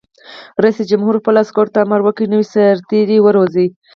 رئیس جمهور خپلو عسکرو ته امر وکړ؛ نوي سرتېري وروزیئ!